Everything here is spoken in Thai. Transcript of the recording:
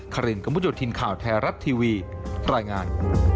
ครินต์กระมุดยอดทินข่าวแทรภัทร์ทีวีรายงาน